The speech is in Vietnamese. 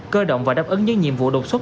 cơ động và đáp ứng những nhiệm vụ đột xuất